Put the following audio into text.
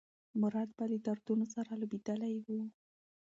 مراد به له دردونو سره لوبېدلی و.